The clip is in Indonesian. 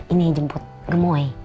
ini yang jemput gemoy